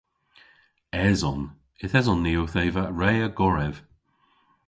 Eson. Yth eson ni owth eva re a gorev.